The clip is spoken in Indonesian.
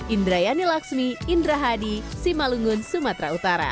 indrayani laksmi indra hadi simalungun sumatera utara